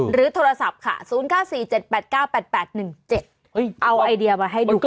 โทรศัพท์ค่ะ๐๙๔๗๘๙๘๘๑๗เอาไอเดียมาให้ดูกัน